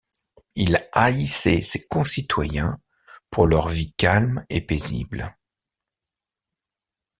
Il haïssait ses concitoyens pour leur vie calme et paisible.